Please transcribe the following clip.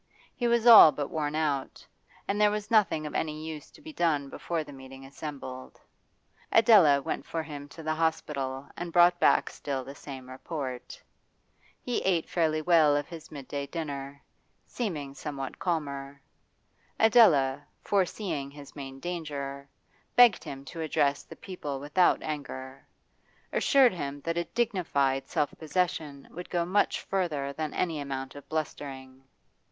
He was all but worn out, and there was nothing of any use to be done before the meeting assembled. Adela went for him to the hospital and brought back still the same report. He ate fairly well of his midday dinner, seeming somewhat calmer. Adela, foreseeing his main danger, begged him to address the people without anger, assured him that a dignified self possession would go much farther than any amount of blustering.